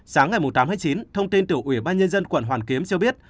sáng ngày tám chín thông tin từ ủy ban nhân dân quảng hoàn kiếm cho biết